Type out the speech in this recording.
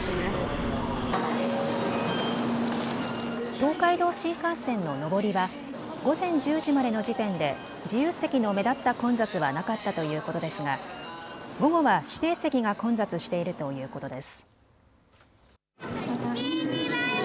東海道新幹線の上りは午前１０時までの時点で自由席の目立った混雑はなかったということですが午後は指定席が混雑しているということです。